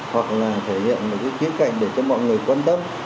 hoặc là thể hiện một cái khía cạnh để cho mọi người quan tâm